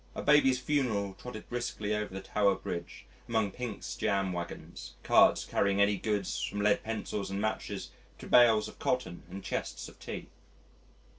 A baby's funeral trotted briskly over the Tower Bridge among Pink's jam waggons, carts carrying any goods from lead pencils and matches to bales of cotton and chests of tea.